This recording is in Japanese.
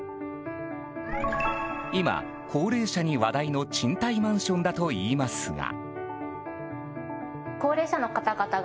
今、高齢者に話題の賃貸マンションだといいますが。